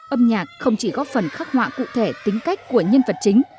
âm nhạc không chỉ góp phần khắc họa cụ thể tính cách của nhân vật chính